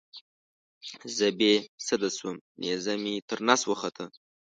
زه بې سده شوم نیزه مې تر نس وخوته.